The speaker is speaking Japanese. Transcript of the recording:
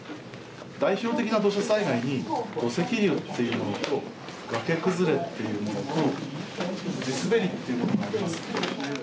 代表的な土砂災害に土石流というのと崖崩れというものと地すべりというものがあります。